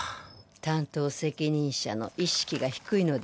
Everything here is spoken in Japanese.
担当責任者の意識が低いのではないですか？